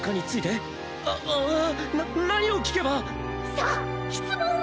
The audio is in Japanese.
さあ質問は？